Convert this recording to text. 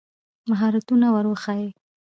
مهارتونه ور وښایي.